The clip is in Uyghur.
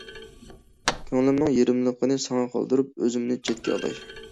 كۆڭلۈمنىڭ يېرىملىقىنى ساڭا قالدۇرۇپ، ئۆزۈمنى چەتكە ئالاي.